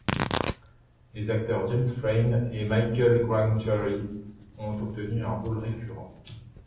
Les acteurs James Frain et Michael Grant Terry ont obtenu un rôle récurrent.